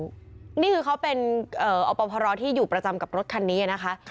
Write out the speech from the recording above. นี่คือเขาเป็นอพรที่อยู่ประจำกับรถคันนี้นะคะ